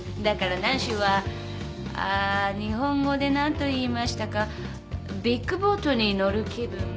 だからナンシーはあ日本語で何といいましたかビッグボートに乗る気分。